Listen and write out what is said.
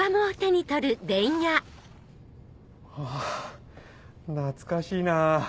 あ懐かしいなぁ。